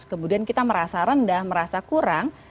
kemudian kita merasa rendah merasa kurang